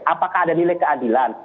apakah ada nilai keadilan